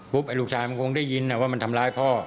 ไอ้ลูกชายมันคงได้ยินว่ามันทำร้ายพ่อ